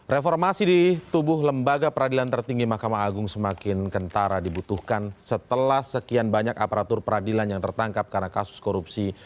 reformasi di tubuh lembaga peradilan tertinggi mahkamah agung semakin kentara dibutuhkan setelah sekian banyak aparatur peradilan yang tertangkap karena kasus korupsi